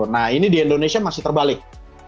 nah ini di indonesia masih terbalik